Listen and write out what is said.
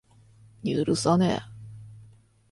許さねぇ。